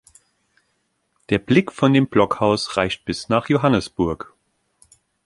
Der Blick von dem Blockhaus reicht bis nach Johannesburg.